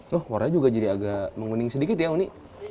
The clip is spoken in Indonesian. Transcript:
loh warnanya juga jadi agak menguning sedikit ya uni